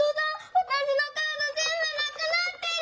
わたしのカードぜんぶなくなってる！